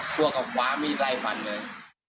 ตัวกกับฟ้ามีใจฝั่นเลย